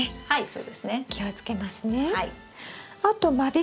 はい。